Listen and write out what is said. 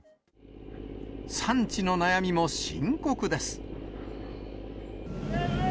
産地の悩みも深刻です。